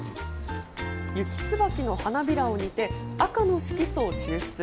ユキツバキの花びらを煮て、赤の色素を抽出。